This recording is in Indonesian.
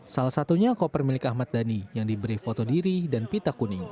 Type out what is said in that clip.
salah satunya koper milik ahmad dhani yang diberi foto diri dan pita kuning